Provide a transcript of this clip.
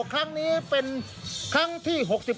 ครั้งนี้เป็นครั้งที่๖๔